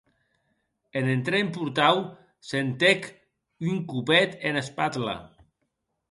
En entrar en portau sentec un copet ena espatla.